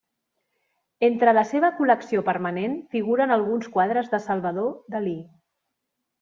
Entre la seva col·lecció permanent figuren alguns quadres de Salvador Dalí.